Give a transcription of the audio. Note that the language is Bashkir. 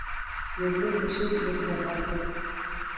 Ерле кеше еренә тартыр.